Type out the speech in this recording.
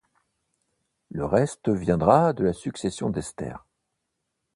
Le reste viendra de la succession d’Esther.